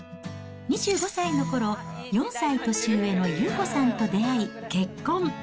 ２５歳のころ、４歳年上の祐子さんと出会い結婚。